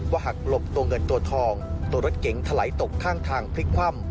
หักหลบตัวเงินตัวทองตัวรถเก๋งถลายตกข้างทางพลิกคว่ำ